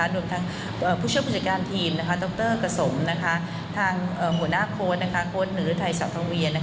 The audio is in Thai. โดยทางผู้เชื่อบุจจิการทีมดรกระสมทางหัวหน้าโค้ดโค้ดหนือไทยเศร้าทางเวียน